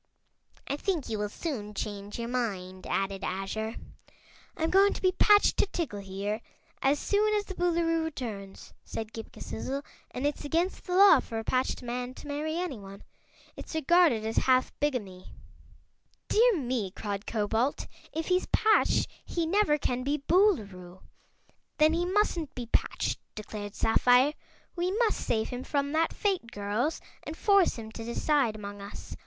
"I think you will soon change your mind," added Azure. "I'm going to be patched to Tiggle, here, as soon as the Boolooroo returns," said Ghip Ghisizzle, "and it's against the law for a patched man to marry anyone. It's regarded as half bigamy." "Dear me!" cried Cobalt; "if he's patched he never can be Boolooroo." "Then he mustn't be patched," declared Sapphire. "We must save him from that fate, girls, and force him to decide among us.